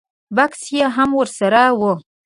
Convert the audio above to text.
بکس یې هم ور سره و.